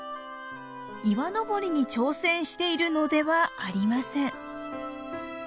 岩登りに挑戦しているのではありません。